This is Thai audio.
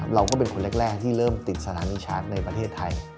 เราก็เป็นคนแรกที่เริ่มติดสถานีชาร์จในประเทศไทย